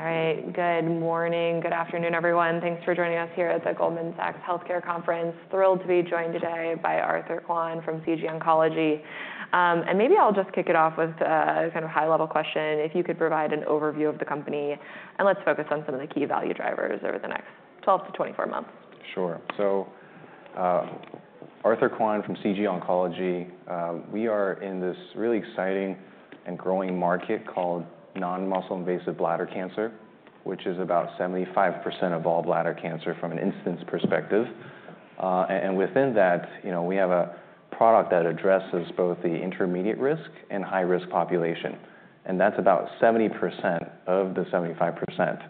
All right. Good morning. Good afternoon, everyone. Thanks for joining us here at the Goldman Sachs Healthcare conference. Thrilled to be joined today by Arthur Kuan from CG Oncology. Maybe I'll just kick it off with a kind of high-level question. If you could provide an overview of the company, and let's focus on some of the key value drivers over the next 12-24 months. Sure. Arthur Kuan from CG Oncology. We are in this really exciting and growing market called non-muscle invasive bladder cancer, which is about 75% of all bladder cancer from an incidence perspective. Within that, we have a product that addresses both the intermediate risk and high-risk population. That is about 70% of the 75%.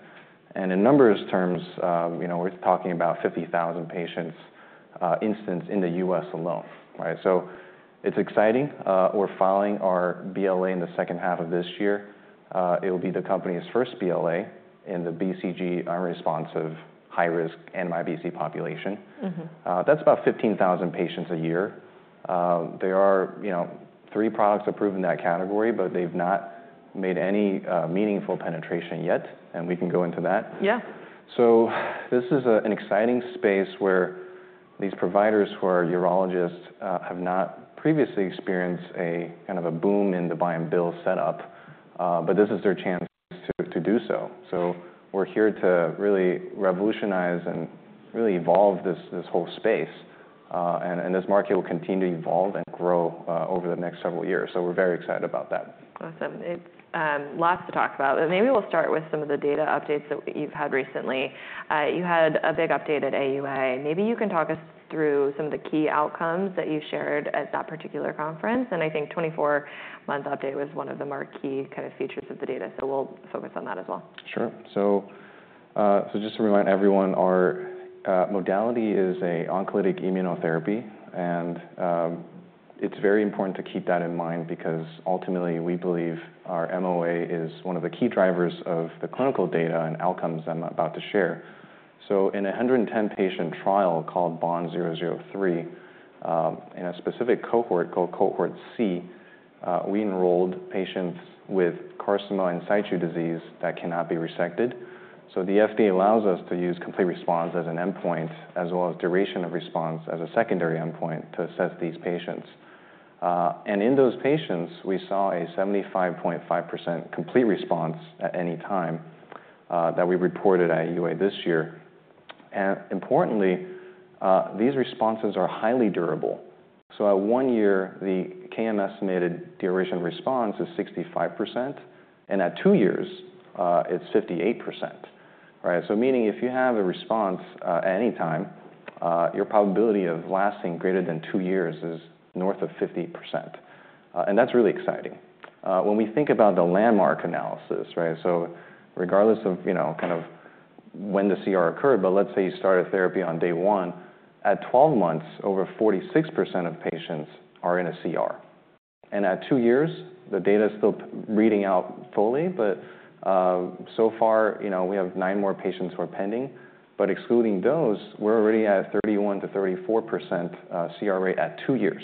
In numbers terms, we are talking about 50,000 patients incidence in the U.S. alone. It is exciting. We are filing our BLA in the second half of this year. It will be the company's first BLA in the BCG-unresponsive high-risk NMIBC population. That is about 15,000 patients a year. There are three products approved in that category, but they have not made any meaningful penetration yet. We can go into that. Yeah. This is an exciting space where these providers who are urologists have not previously experienced a kind of a boom in the buy-and-bill setup. But this is their chance to do so. We are here to really revolutionize and really evolve this whole space. This market will continue to evolve and grow over the next several years. We are very excited about that. Awesome. Lots to talk about. Maybe we'll start with some of the data updates that you've had recently. You had a big update at AUI. Maybe you can talk us through some of the key outcomes that you shared at that particular conference. I think the 24-month update was one of the more key kind of features of the data. We'll focus on that as well. Sure. So just to remind everyone, our modality is an oncolytic immunotherapy. And it's very important to keep that in mind because ultimately, we believe our MOA is one of the key drivers of the clinical data and outcomes I'm about to share. So in a 110-patient trial called BOND-003, in a specific cohort called Cohort C, we enrolled patients with carcinoma in situ disease that cannot be resected. So the FDA allows us to use complete response as an endpoint, as well as duration of response as a secondary endpoint to assess these patients. And in those patients, we saw a 75.5% complete response at any time that we reported at AUI this year. And importantly, these responses are highly durable. So at one year, the KM estimated duration of response is 65%. And at two years, it's 58%. Meaning if you have a response at any time, your probability of lasting greater than two years is north of 50%. That is really exciting. When we think about the landmark analysis, regardless of kind of when the CR occurred, but let's say you started therapy on day one, at 12 months, over 46% of patients are in a CR. At two years, the data is still reading out fully. So far, we have nine more patients who are pending. Excluding those, we are already at 31%-34% CR rate at two years.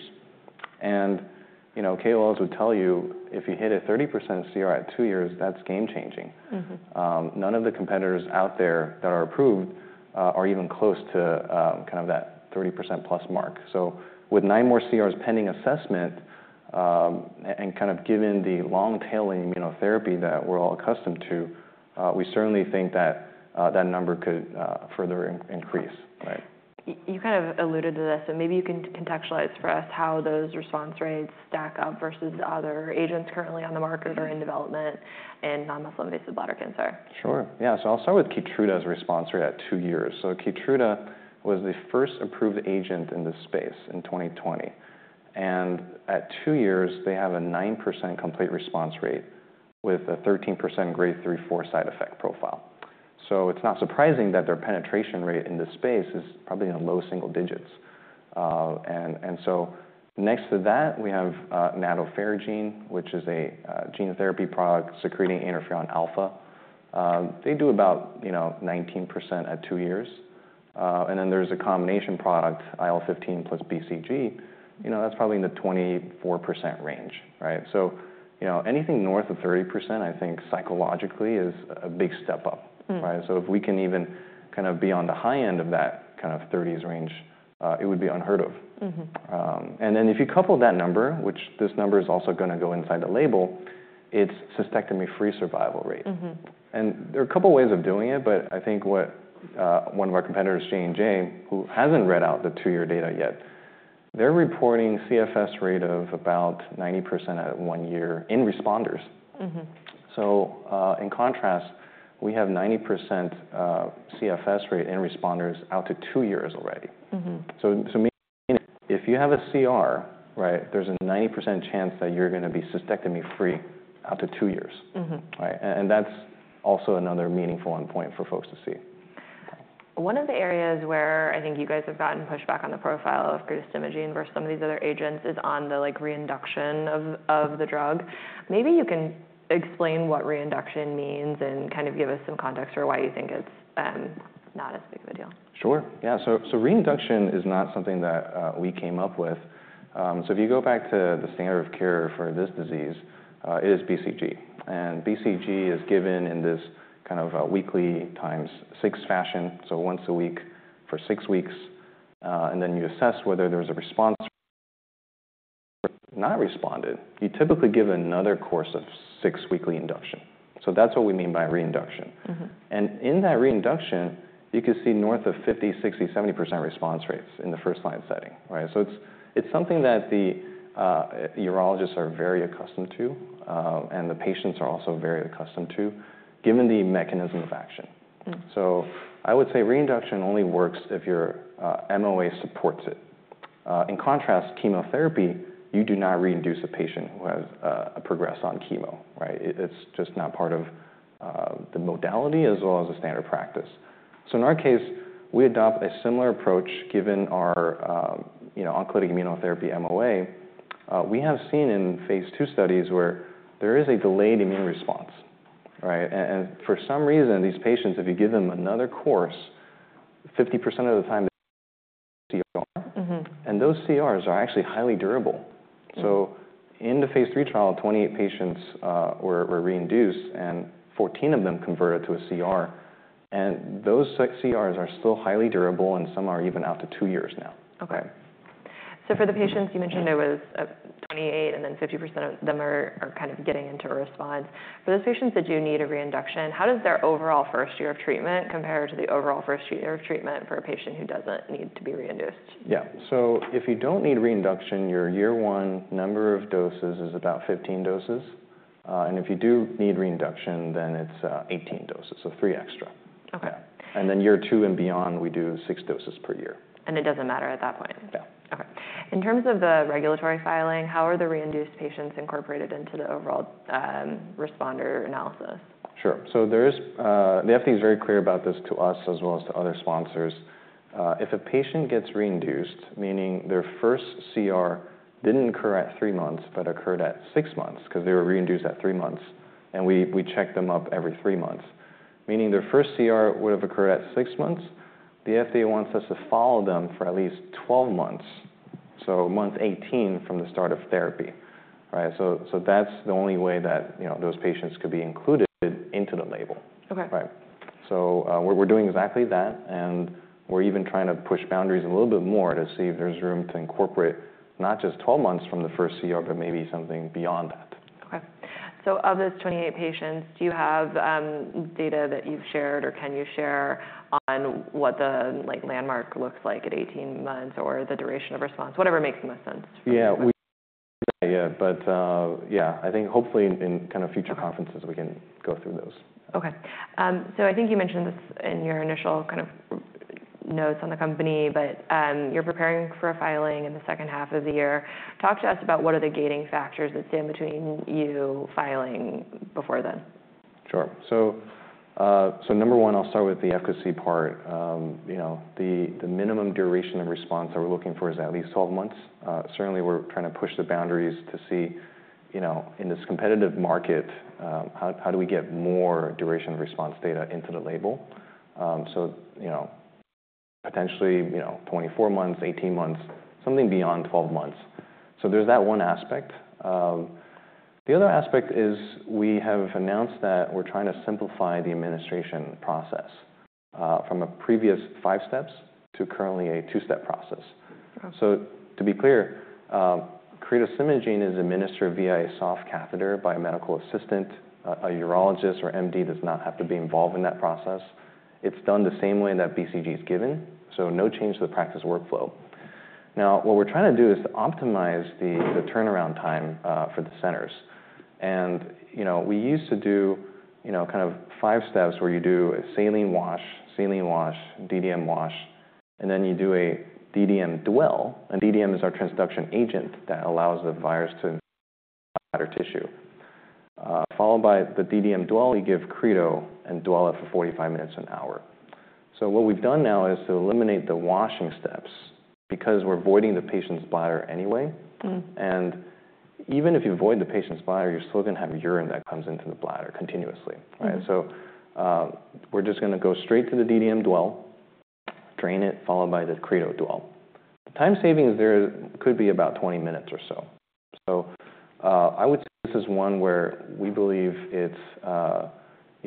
KOLs would tell you if you hit a 30% CR at two years, that is game-changing. None of the competitors out there that are approved are even close to that 30% plus mark. With nine more CRs pending assessment, and kind of given the long-tail immunotherapy that we're all accustomed to, we certainly think that that number could further increase. You kind of alluded to this. Maybe you can contextualize for us how those response rates stack up versus other agents currently on the market or in development in non-muscle invasive bladder cancer. Sure. Yeah. So I'll start with KEYTRUDA's response rate at two years. KEYTRUDA was the first approved agent in this space in 2020. At two years, they have a 9% complete response rate with a 13% grade 3/4 side effect profile. It's not surprising that their penetration rate in this space is probably in the low single-digits. Next to that, we have Nadofaragene, which is a gene therapy product secreting interferon alpha. They do about 19% at two years. Then there's a combination product, IL-15 plus BCG. That's probably in the 24% range. Anything north of 30%, I think psychologically is a big step up. If we can even kind of be on the high end of that kind of 30s range, it would be unheard of. If you couple that number, which this number is also going to go inside the label, it's cystectomy-free survival rate. There are a couple of ways of doing it. I think what one of our competitors, J&J, who hasn't read out the two-year data yet, they're reporting a CFS rate of about 90% at one year in responders. In contrast, we have a 90% CFS rate in responders out to two years already. Meaning if you have a CR, there's a 90% chance that you're going to be cystectomy-free out to two years. That's also another meaningful endpoint for folks to see. One of the areas where I think you guys have gotten pushback on the profile of GRIS imaging versus some of these other agents is on the reinduction of the drug. Maybe you can explain what reinduction means and kind of give us some context for why you think it's not as big of a deal. Sure. Yeah. Reinduction is not something that we came up with. If you go back to the standard of care for this disease, it is BCG. BCG is given in this kind of weekly times six fashion, so once a week for six weeks. You assess whether there is a response. If not responded, you typically give another course of six weekly induction. That is what we mean by reinduction. In that reinduction, you can see north of 50%, 60%, 70% response rates in the first-line setting. It is something that the urologists are very accustomed to. The patients are also very accustomed to it, given the mechanism of action. I would say reinduction only works if your MOA supports it. In contrast, with chemotherapy, you do not reinduce a patient who has progressed on chemo. It's just not part of the modality as well as the standard practice. In our case, we adopt a similar approach given our oncolytic immunotherapy MOA. We have seen in phase II studies where there is a delayed immune response. For some reason, these patients, if you give them another course, 50% of the time they get a CR. Those CRs are actually highly durable. In the phase three III, 28 patients were reinduced. 14 of them converted to a CR. Those CRs are still highly durable. Some are even out to two years now. For the patients you mentioned, there was 28. And then 50% of them are kind of getting into a response. For those patients that do need a reinduction, how does their overall first year of treatment compare to the overall first year of treatment for a patient who does not need to be reinduced? Yeah. So if you don't need reinduction, your year one number of doses is about 15 doses. If you do need reinduction, then it's 18 doses, so three extra. Year two and beyond, we do six doses per year. It doesn't matter at that point? Yeah. In terms of the regulatory filing, how are the reinduced patients incorporated into the overall responder analysis? Sure. The FDA is very clear about this to us as well as to other sponsors. If a patient gets reinduced, meaning their first CR did not occur at three months, but occurred at six months because they were reinduced at three months, and we check them up every three months, meaning their first CR would have occurred at six months, the FDA wants us to follow them for at least 12 months, so month 18 from the start of therapy. That is the only way that those patients could be included into the label. We are doing exactly that. We are even trying to push boundaries a little bit more to see if there is room to incorporate not just 12 months from the first CR, but maybe something beyond that. Of those 28 patients, do you have data that you've shared or can you share on what the landmark looks like at 18 months or the duration of response, whatever makes the most sense? Yeah. Yeah. But yeah, I think hopefully in kind of future conferences, we can go through those. I think you mentioned this in your initial kind of notes on the company. You are preparing for a filing in the second half of the year. Talk to us about what are the gating factors that stand between you filing before then. Sure. Number one, I'll start with the efficacy part. The minimum duration of response that we're looking for is at least 12 months. Certainly, we're trying to push the boundaries to see in this competitive market how do we get more duration of response data into the label. Potentially 24 months, 18 months, something beyond 12 months. There's that one aspect. The other aspect is we have announced that we're trying to simplify the administration process from a previous five steps to currently a two-step process. To be clear, cretostimogene is administered via a soft catheter by a medical assistant. A urologist or MD does not have to be involved in that process. It's done the same way that BCG is given, so no change to the practice workflow. Now, what we're trying to do is optimize the turnaround time for the centers. We used to do kind of five steps where you do a saline wash, saline wash, DDM wash, and then you do a DDM dwell. DDM is our transduction agent that allows the virus to enter the bladder tissue. Following the DDM dwell, you give Creto and dwell it for 45 minutes to an hour. What we have done now is to eliminate the washing steps because we are voiding the patient's bladder anyway. Even if you void the patient's bladder, you are still going to have urine that comes into the bladder continuously. We are just going to go straight to the DDM dwell, drain it, followed by the Creto dwell. The time savings there could be about 20 minutes or so. I would say this is one where we believe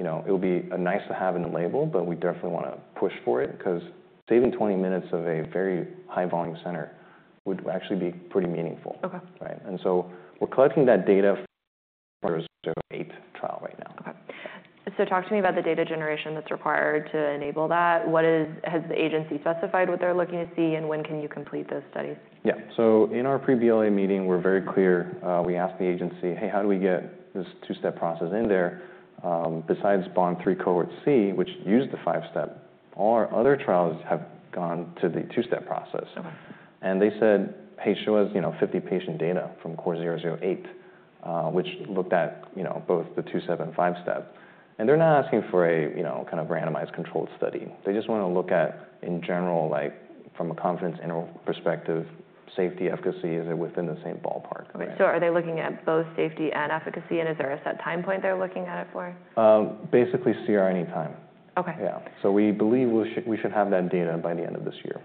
it will be nice to have in the label. We definitely want to push for it because saving 20 minutes at a very high-volume center would actually be pretty meaningful. We are collecting that data for the 008 trial right now. Talk to me about the data generation that's required to enable that. Has the agency specified what they're looking to see? And when can you complete those studies? Yeah. In our pre-BLA meeting, we were very clear. We asked the agency, hey, how do we get this two-step process in there? Besides BOND-3 Cohort C, which used the five-step, all our other trials have gone to the two-step process. They said, hey, show us 50 patient data from CORE-008, which looked at both the two-step and five-step. They are not asking for a kind of randomized controlled study. They just want to look at, in general, from a confidence interval perspective, safety, efficacy, is it within the same ballpark? Are they looking at both safety and efficacy? And is there a set time point they're looking at it for? Basically CR any time. Yeah. We believe we should have that data by the end of this year.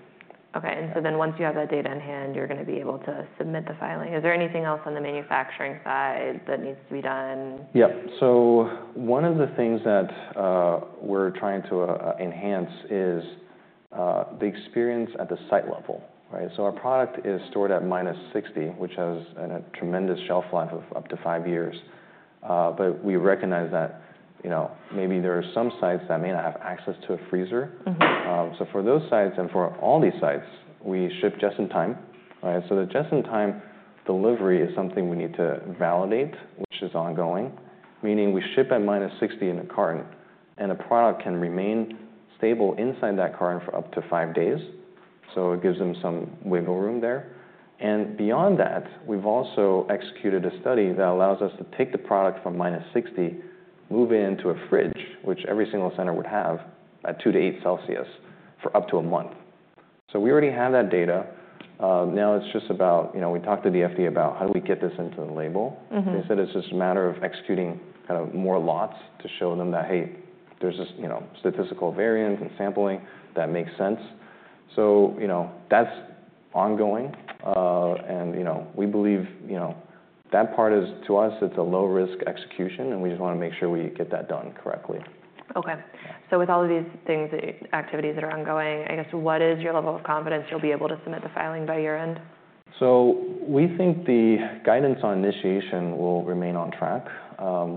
Once you have that data in hand, you're going to be able to submit the filing. Is there anything else on the manufacturing side that needs to be done? Yeah. One of the things that we're trying to enhance is the experience at the site level. Our product is stored at -60, which has a tremendous shelf life of up to five years. We recognize that maybe there are some sites that may not have access to a freezer. For those sites and for all these sites, we ship just in time. The just in time delivery is something we need to validate, which is ongoing, meaning we ship at -60 in a carton. A product can remain stable inside that carton for up to five days. It gives them some wiggle room there. Beyond that, we've also executed a study that allows us to take the product from -60, move it into a fridge, which every single center would have at 2-8 degrees Celsius for up to a month. We already have that data. Now it's just about, we talked to the FDA about how do we get this into the label. They said it's just a matter of executing kind of more lots to show them that, hey, there's this statistical variance and sampling that makes sense. That's ongoing. We believe that part is, to us, it's a low-risk execution. We just want to make sure we get that done correctly. With all of these things, activities that are ongoing, I guess what is your level of confidence you'll be able to submit the filing by year end? We think the guidance on initiation will remain on track.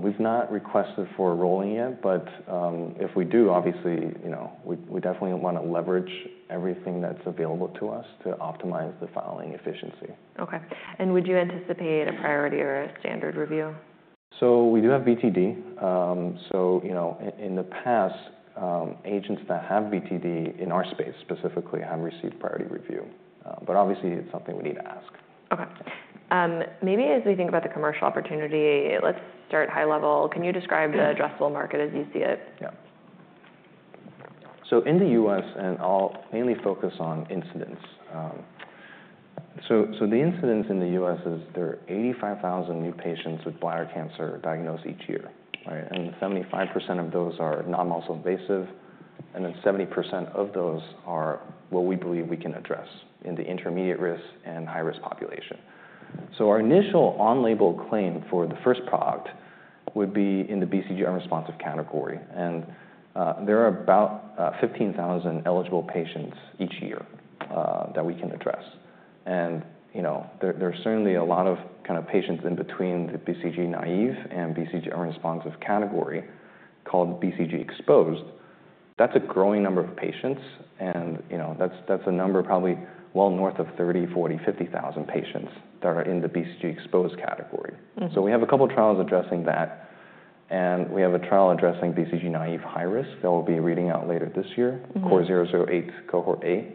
We've not requested for a rolling yet. If we do, obviously we definitely want to leverage everything that's available to us to optimize the filing efficiency. Would you anticipate a priority or a standard review? We do have BTD. In the past, agents that have BTD in our space specifically have received priority review. Obviously, it's something we need to ask. Maybe as we think about the commercial opportunity, let's start high level. Can you describe the addressable market as you see it? Yeah. In the U.S., and I'll mainly focus on incidence. The incidence in the U.S. is there are 85,000 new patients with bladder cancer diagnosed each year. 75% of those are non-muscle invasive. 70% of those are what we believe we can address in the intermediate risk and high-risk population. Our initial on-label claim for the first product would be in the BCG-unresponsive category. There are about 15,000 eligible patients each year that we can address. There are certainly a lot of kind of patients in between the BCG-naive and BCG-unresponsive category called BCG-exposed. That's a growing number of patients. That's a number probably well north of 30,000-40,000-50,000 patients that are in the BCG-exposed category. We have a couple of trials addressing that. We have a trial addressing BCG-naive high risk that we'll be reading out later this year, CORE-008, Cohort A.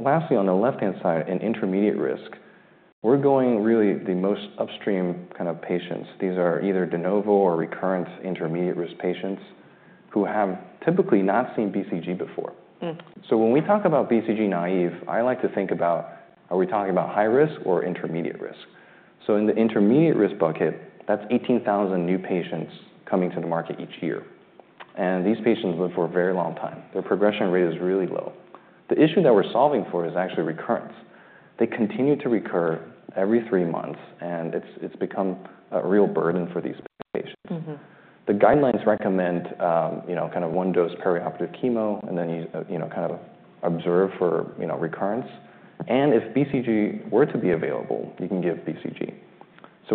Lastly, on the left-hand side, in intermediate risk, we're going really the most upstream kind of patients. These are either de novo or recurrent intermediate risk patients who have typically not seen BCG before. When we talk about BCG-naive, I like to think about are we talking about high risk or intermediate risk? In the intermediate risk bucket, that's 18,000 new patients coming to the market each year. These patients live for a very long time. Their progression rate is really low. The issue that we're solving for is actually recurrence. They continue to recur every three months. It's become a real burden for these patients. The guidelines recommend kind of one dose perioperative chemo and then kind of observe for recurrence. If BCG were to be available, you can give BCG.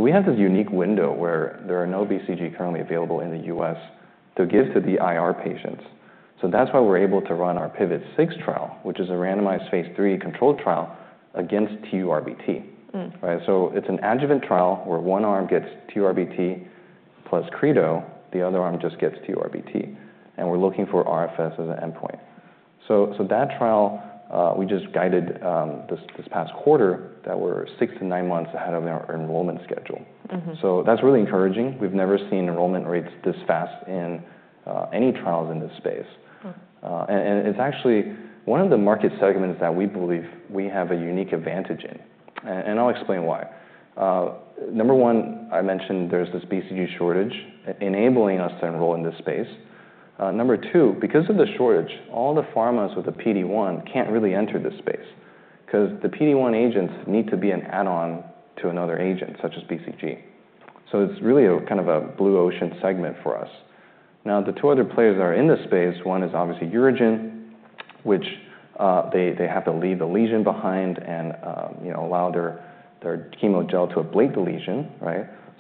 We have this unique window where there are no BCG currently available in the U.S. to give to the IR patients. That is why we're able to run our PIVOT-006 trial, which is a randomized phase III controlled trial against TURBT. It is an adjuvant trial where one arm gets TURBT plus Creto, the other arm just gets TURBT. We're looking for RFS as an endpoint. That trial, we just guided this past quarter that we're six to nine months ahead of our enrollment schedule. That is really encouraging. We've never seen enrollment rates this fast in any trials in this space. It is actually one of the market segments that we believe we have a unique advantage in. I'll explain why. Number one, I mentioned there's this BCG shortage enabling us to enroll in this space. Number two, because of the shortage, all the pharmas with a PD-1 can't really enter this space because the PD-1 agents need to be an add-on to another agent, such as BCG. It's really a kind of a blue ocean segment for us. The two other players that are in this space, one is obviously UroGen, which they have to leave the lesion behind and allow their chemo gel to ablate the lesion.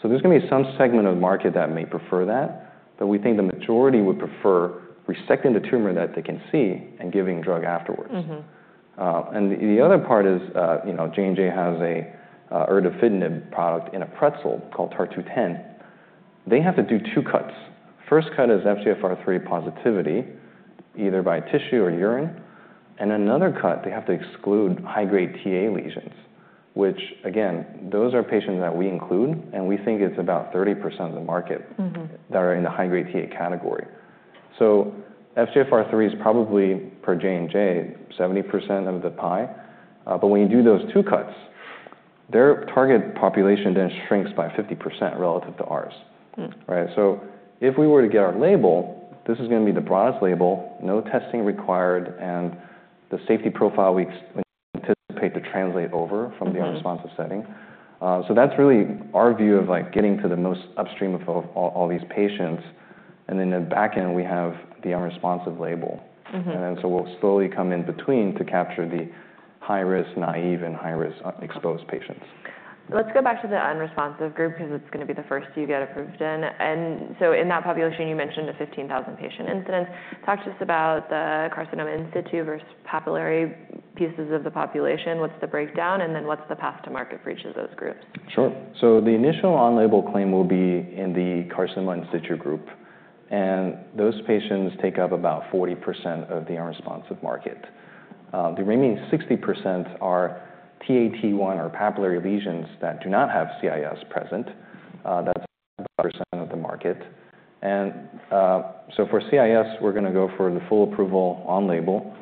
There's going to be some segment of the market that may prefer that. We think the majority would prefer resecting the tumor that they can see and giving drug afterwards. The other part is J&J has an erdafitinib product in a pretzel called TAR-210. They have to do two cuts. First cut is FGFR3 positivity, either by tissue or urine. Another cut, they have to exclude high-grade Ta lesions, which again, those are patients that we include. We think it's about 30% of the market that are in the high-grade Ta category. FGFR3 is probably per J&J 70% of the pie. When you do those two cuts, their target population then shrinks by 50% relative to ours. If we were to get our label, this is going to be the broadest label, no testing required, and the safety profile we anticipate to translate over from the unresponsive setting. That's really our view of getting to the most upstream of all these patients. In the back end, we have the unresponsive label. We'll slowly come in between to capture the high-risk naive and high-risk exposed patients. Let's go back to the unresponsive group because it's going to be the first you get approved in. In that population, you mentioned a 15,000 patient incidence. Talk to us about the carcinoma in situ versus papillary pieces of the population. What's the breakdown? What's the path to market for each of those groups? Sure. The initial on-label claim will be in the carcinoma in situ group. Those patients take up about 40% of the unresponsive market. The remaining 60% are TaT1 or papillary lesions that do not have CIS present. That is 1% of the market. For CIS, we are going to go for the full approval on label.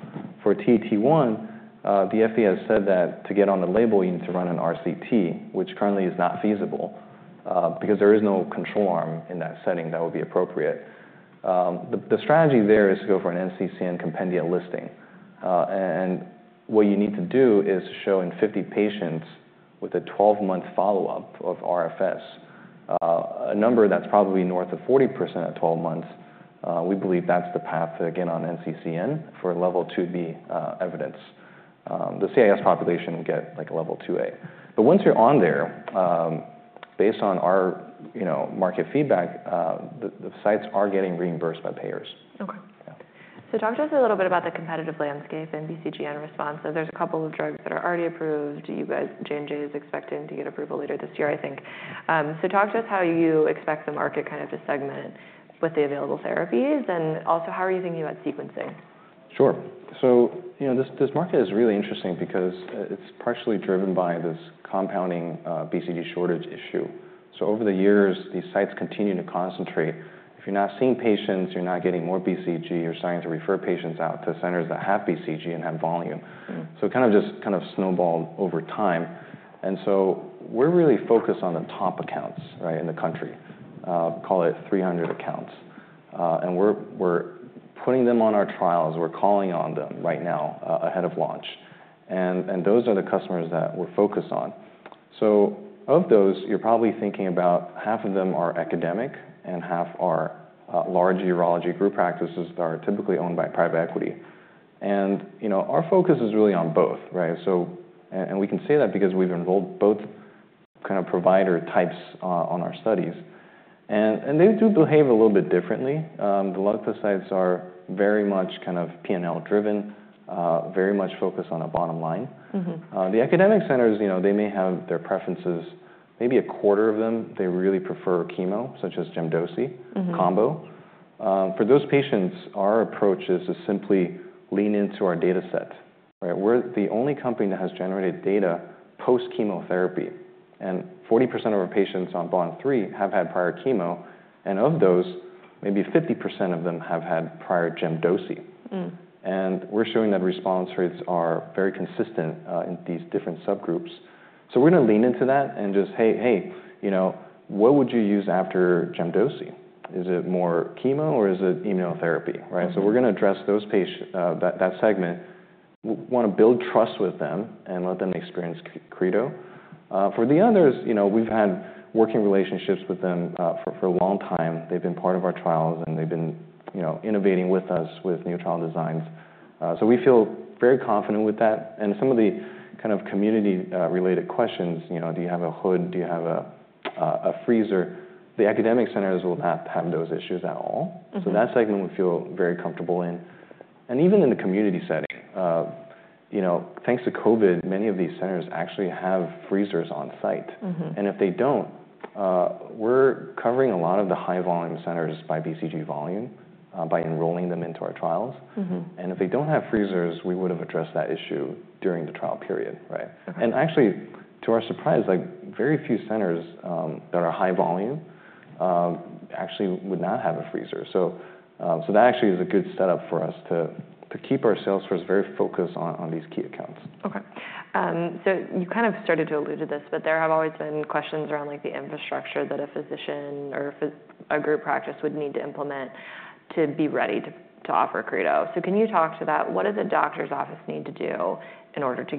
For TaT1, the FDA has said that to get on the label, you need to run an RCT, which currently is not feasible because there is no control arm in that setting that would be appropriate. The strategy there is to go for an NCCN compendia listing. What you need to do is show in 50 patients with a 12-month follow-up of RFS a number that is probably north of 40% at 12 months. We believe that is the path to get on NCCN for level 2b evidence. The CIS population will get like a level 2a. Once you're on there, based on our market feedback, the sites are getting reimbursed by payers. Talk to us a little bit about the competitive landscape in BCG-unresponsive. There are a couple of drugs that are already approved. J&J is expecting to get approval later this year, I think. Talk to us how you expect the market kind of to segment with the available therapies. Also, how are you thinking about sequencing? Sure. This market is really interesting because it's partially driven by this compounding BCG shortage issue. Over the years, these sites continue to concentrate. If you're not seeing patients, you're not getting more BCG. You're starting to refer patients out to centers that have BCG and have volume. It kind of just snowballed over time. We're really focused on the top accounts in the country, call it 300 accounts. We're putting them on our trials. We're calling on them right now ahead of launch. Those are the customers that we're focused on. Of those, you're probably thinking about half of them are academic and half are large urology group practices that are typically owned by private equity. Our focus is really on both. We can say that because we've enrolled both kind of provider types on our studies. They do behave a little bit differently. The leukocytes are very much kind of P&L driven, very much focused on a bottom line. The academic centers, they may have their preferences. Maybe a quarter of them, they really prefer chemo, such as Gem/Doce combo. For those patients, our approach is to simply lean into our data set. We're the only company that has generated data post chemotherapy. Forty percent of our patients on bond three have had prior chemo. Of those, maybe 50% of them have had prior Gem/Doce. We're showing that response rates are very consistent in these different subgroups. We're going to lean into that and just, hey, hey, what would you use after Gem/Doce? Is it more chemo or is it immunotherapy? We're going to address that segment, want to build trust with them and let them experience Creto. For the others, we've had working relationships with them for a long time. They've been part of our trials. They've been innovating with us with new trial designs. We feel very confident with that. Some of the kind of community-related questions, do you have a hood? Do you have a freezer? The academic centers will not have those issues at all. That segment we feel very comfortable in. Even in the community setting, thanks to COVID, many of these centers actually have freezers on site. If they do not, we're covering a lot of the high-volume centers by BCG volume by enrolling them into our trials. If they do not have freezers, we would have addressed that issue during the trial period. Actually, to our surprise, very few centers that are high volume actually would not have a freezer. That actually is a good setup for us to keep our sales force very focused on these key accounts. You kind of started to allude to this, but there have always been questions around the infrastructure that a physician or a group practice would need to implement to be ready to offer Creto. Can you talk to that? What does a doctor's office need to do in order to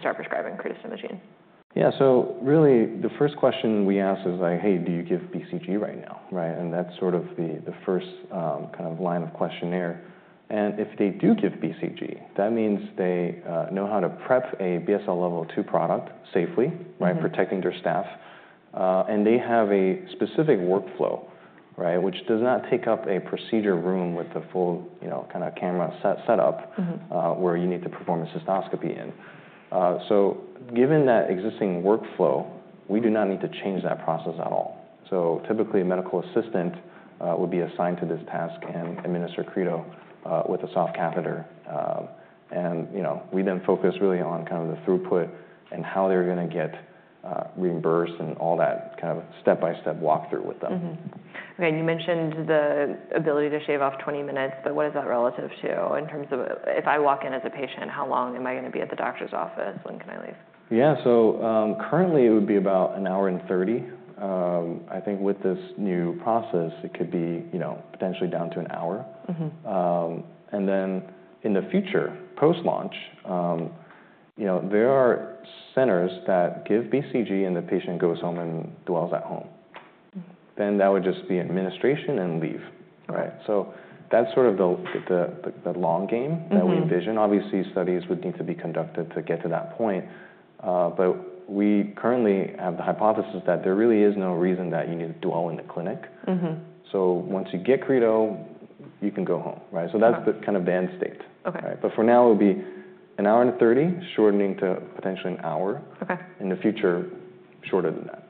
start prescribing cretostimogene? Yeah. So really, the first question we ask is like, hey, do you give BCG right now? That's sort of the first kind of line of questionnaire. If they do give BCG, that means they know how to prep a BSL level 2 product safely, protecting their staff. They have a specific workflow, which does not take up a procedure room with the full kind of camera setup where you need to perform a cystoscopy in. Given that existing workflow, we do not need to change that process at all. Typically, a medical assistant would be assigned to this task and administer Creto with a soft catheter. We then focus really on kind of the throughput and how they're going to get reimbursed and all that kind of step-by-step walkthrough with them. You mentioned the ability to shave off 20 minutes. What is that relative to in terms of if I walk in as a patient, how long am I going to be at the doctor's office? When can I leave? Yeah. So currently, it would be about an hour and 30. I think with this new process, it could be potentially down to an hour. In the future, post-launch, there are centers that give BCG and the patient goes home and dwells at home. That would just be administration and leave. That is sort of the long game that we envision. Obviously, studies would need to be conducted to get to that point. We currently have the hypothesis that there really is no reason that you need to dwell in the clinic. Once you get Creto, you can go home. That is kind of the end state. For now, it would be an hour and 30, shortening to potentially an hour. In the future, shorter than that.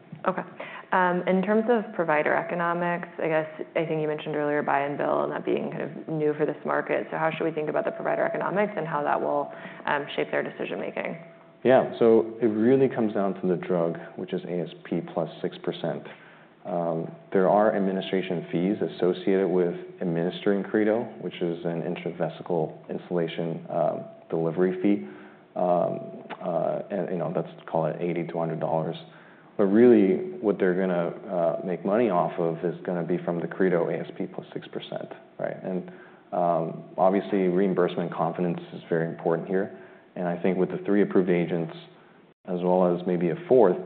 In terms of provider economics, I guess I think you mentioned earlier buy-and-bill and that being kind of new for this market. How should we think about the provider economics and how that will shape their decision-making? Yeah. So it really comes down to the drug, which is ASP +6%. There are administration fees associated with administering Creto, which is an intravesical instillation delivery fee. And that's called $80-$100. Really, what they're going to make money off of is going to be from the creto ASP +6%. Obviously, reimbursement confidence is very important here. I think with the three approved agents, as well as maybe a fourth,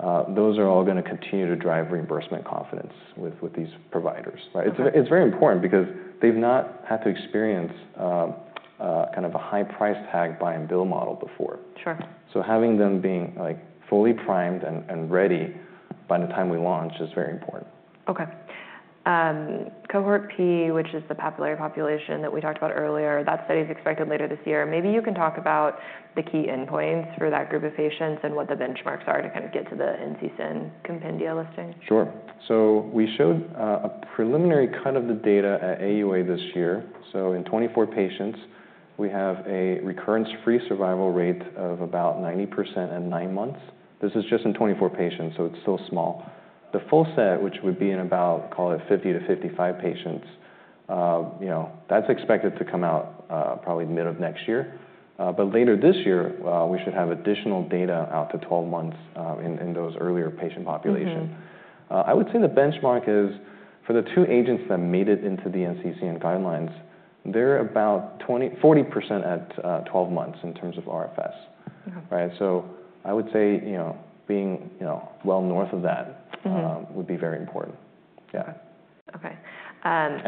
those are all going to continue to drive reimbursement confidence with these providers. It's very important because they've not had to experience kind of a high-priced tag buy-and-bill model before. Having them being fully primed and ready by the time we launch is very important. Cohort P, which is the papillary population that we talked about earlier, that study is expected later this year. Maybe you can talk about the key endpoints for that group of patients and what the benchmarks are to kind of get to the NCCN compendia listing. Sure. So we showed a preliminary cut of the data at AUA this year. In 24 patients, we have a recurrence-free survival rate of about 90% in nine months. This is just in 24 patients, so it's still small. The full set, which would be in about, call it 50-55 patients, that's expected to come out probably mid of next year. Later this year, we should have additional data out to 12 months in those earlier patient populations. I would say the benchmark is for the two agents that made it into the NCCN guidelines, they're about 40% at 12 months in terms of RFS. I would say being well north of that would be very important. Yeah.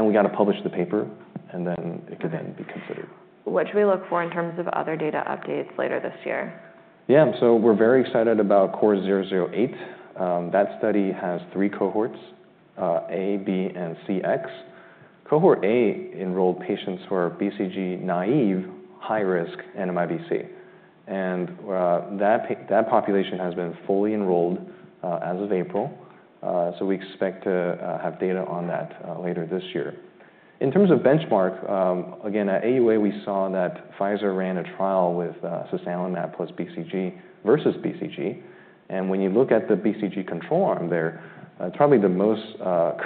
We got to publish the paper, and then it could then be considered. What should we look for in terms of other data updates later this year? Yeah. So we're very excited about CORE-008. That study has three cohorts, A, B, and CX. Cohort A enrolled patients who are BCG-naive, high-risk, and NMIBC. And that population has been fully enrolled as of April. We expect to have data on that later this year. In terms of benchmark, again, at AUA, we saw that Pfizer ran a trial with sasanlimab plus BCG versus BCG. When you look at the BCG control arm there, it's probably the most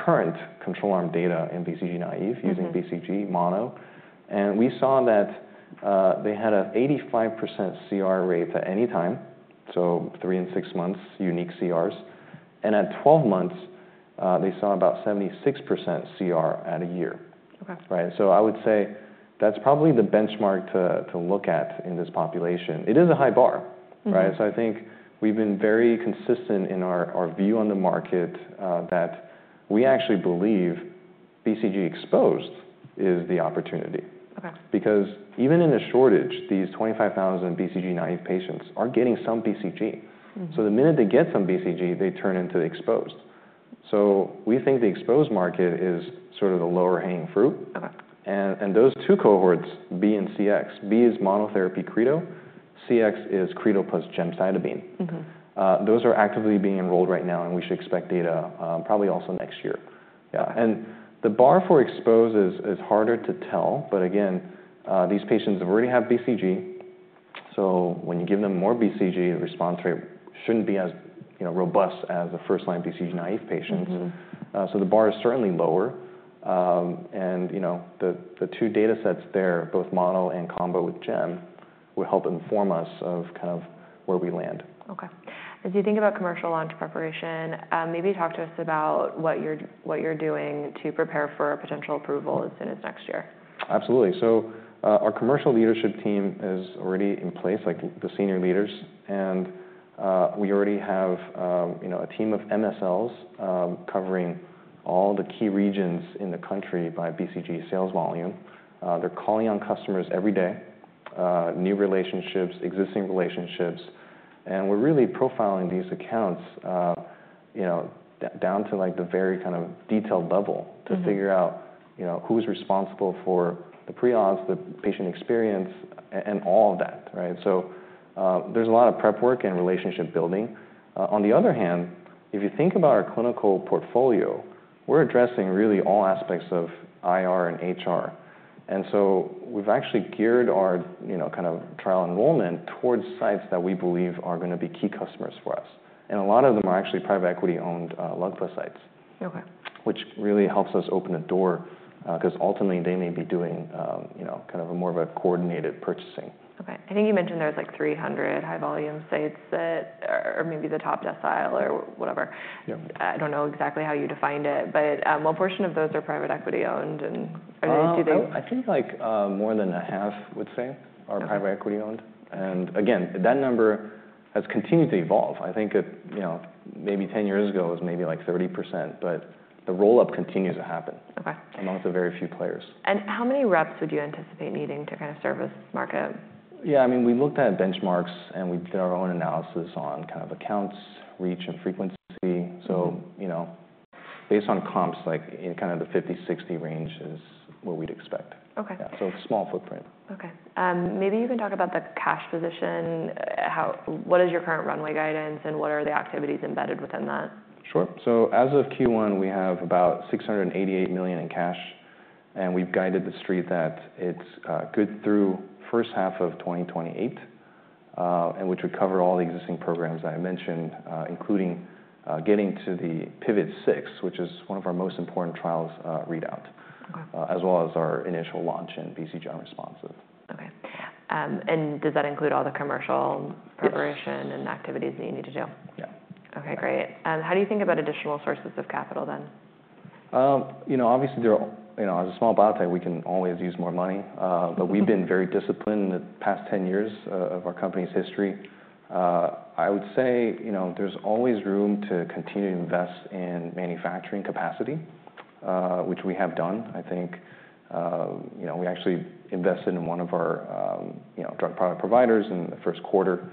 current control arm data in BCG-naive using BCG mono. We saw that they had an 85% CR rate at any time, so three and six months unique CRs. At 12 months, they saw about 76% CR at a year. I would say that's probably the benchmark to look at in this population. It is a high bar. I think we've been very consistent in our view on the market that we actually believe BCG-exposed is the opportunity. Because even in a shortage, these 25,000 BCG-naive patients are getting some BCG. The minute they get some BCG, they turn into exposed. We think the exposed market is sort of the lower hanging fruit. Those two cohorts, B and CX, B is monotherapy creto, CX is creto plus gemcitabine. Those are actively being enrolled right now. We should expect data probably also next year. The bar for exposed is harder to tell. Again, these patients already have BCG. When you give them more BCG, the response rate shouldn't be as robust as the first-line BCG-naive patients. The bar is certainly lower. The two data sets there, both mono and combo with GEM, will help inform us of kind of where we land. As you think about commercial launch preparation, maybe talk to us about what you're doing to prepare for a potential approval as soon as next year. Absolutely. Our commercial leadership team is already in place, like the senior leaders. We already have a team of MSLs covering all the key regions in the country by BCG sales volume. They're calling on customers every day, new relationships, existing relationships. We're really profiling these accounts down to the very kind of detailed level to figure out who is responsible for the pre-auths, the patient experience, and all of that. There's a lot of prep work and relationship building. On the other hand, if you think about our clinical portfolio, we're addressing really all aspects of IR and HR. We've actually geared our kind of trial enrollment towards sites that we believe are going to be key customers for us. A lot of them are actually private equity-owned leukocytes, which really helps us open a door because ultimately, they may be doing kind of more of a coordinated purchasing. I think you mentioned there's like 300 high-volume sites that are maybe the top decile or whatever. I don't know exactly how you defined it. What portion of those are private equity-owned? I think more than half, I would say, are private equity-owned. I think maybe 10 years ago it was maybe like 30%. The roll-up continues to happen amongst the very few players. How many reps would you anticipate needing to kind of service this market? Yeah. I mean, we looked at benchmarks. And we did our own analysis on kind of accounts, reach, and frequency. So based on comps, kind of the 50-60 range is what we'd expect. So small footprint. Maybe you can talk about the cash position. What is your current runway guidance? What are the activities embedded within that? Sure. As of Q1, we have about $688 million in cash. We have guided the street that it's good through the first half of 2028, which would cover all the existing programs I mentioned, including getting to the PIVOT-006, which is one of our most important trials readout, as well as our initial launch in BCG-unresponsive. Does that include all the commercial preparation and activities that you need to do? Yeah. How do you think about additional sources of capital then? Obviously, as a small biotech, we can always use more money. But we've been very disciplined in the past 10 years of our company's history. I would say there's always room to continue to invest in manufacturing capacity, which we have done. I think we actually invested in one of our drug product providers in the first quarter.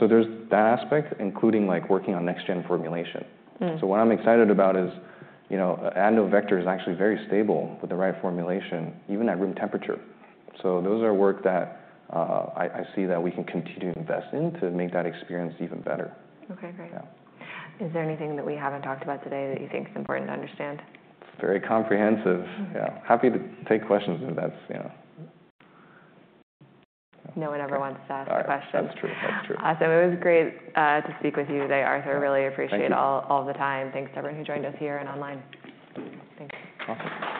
So there's that aspect, including working on next-gen formulation. What I'm excited about is Adeno Vector is actually very stable with the right formulation, even at room temperature. Those are work that I see that we can continue to invest in to make that experience even better. Is there anything that we haven't talked about today that you think is important to understand? It's very comprehensive. Yeah. Happy to take questions if that's. No one ever wants to ask questions. That's true. It was great to speak with you today, Arthur. I really appreciate all of the time. Thanks to everyone who joined us here and online. Awesome.